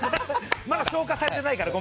まだ消化されてないから。